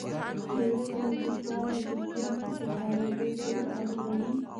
د ورځې اوږدوالی د ځمکې په تاوېدو پورې اړه لري.